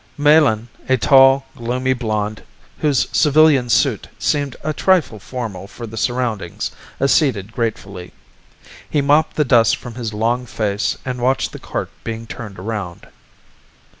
Melin, a tall, gloomy blond whose civilian suit seemed a trifle formal for the surroundings, acceded gratefully. He mopped the dust from his long face and watched the cart being turned around.